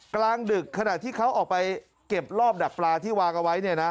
กลางดึกขณะที่เขาออกไปเก็บรอบดักปลาที่วางเอาไว้เนี่ยนะ